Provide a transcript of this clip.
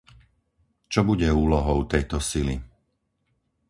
Čo bude úlohou tejto sily?